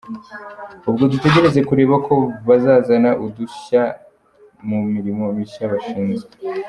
Ubwo dutegereje kureba ko bazazana ubudashya mu mirimo mishya bashinzwe.